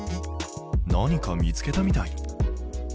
何か見つけたみたい。